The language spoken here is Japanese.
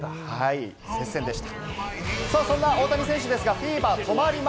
接戦でした。